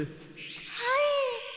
はい。